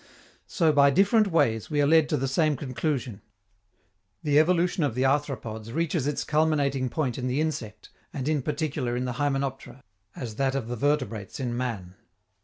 So, by different ways, we are led to the same conclusion. The evolution of the arthropods reaches its culminating point in the insect, and in particular in the hymenoptera, as that of the vertebrates in man.